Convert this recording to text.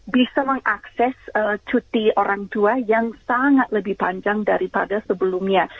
bisa mengakses cuti orang tua yang sangat lebih panjang daripada sebelumnya